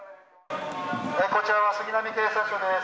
こちらは杉並警察署です。